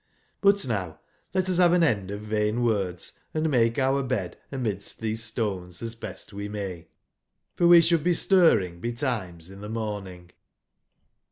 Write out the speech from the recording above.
But now let us bave an end of vain words, and make our bed amidst tbese stones *as best we may; forwesbould be stirring betimes in tbe morning."